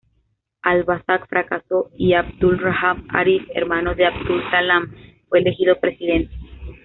Al-Bazzaz fracasó, y Abdul Rahman Arif, hermano de Abdul Salam, fue elegido presidente.